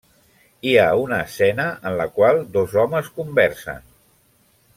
Hi ha una escena en la qual dos homes conversen.